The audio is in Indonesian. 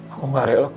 ibu mengurus kamu